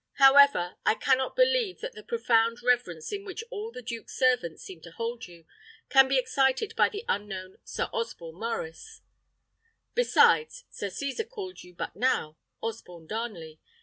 However, I cannot believe that the profound reverence in which all the duke's servants seem to hold you, can be excited by the unknown Sir Osborne Maurice. Besides, Sir Cesar called you but now Osborne Darnley.